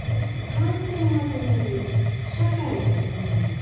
感染は止める、社会は止めない。